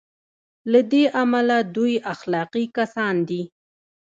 له دې امله دوی اخلاقي کسان دي.